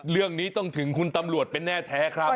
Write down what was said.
เรื่องนี้ต้องถึงคุณตำรวจเป็นแน่แท้ครับ